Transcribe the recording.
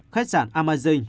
khách sạn amazon